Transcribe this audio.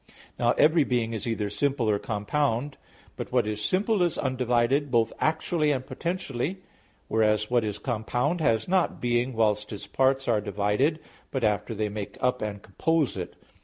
Now every being is either simple or compound. But what is simple is undivided, both actually and potentially. Whereas what is compound, has not being whilst its parts are divided, but after they make up and compose it.